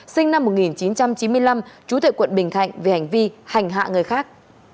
sinh năm một nghìn chín trăm chín mươi năm chú tệ quận bình thạnh về hành vi hành hạ người khác